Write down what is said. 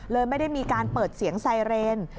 ไม่ได้มีการเปิดเสียงไซเรน